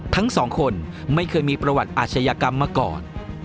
ทั้งสองคนไม่เคยมีประวัติอาชญากรรมมาก่อน